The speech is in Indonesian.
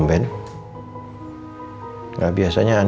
bisa tahu nanti apa pak